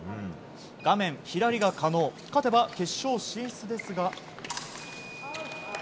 画面左が加納勝てば決勝進出ですが。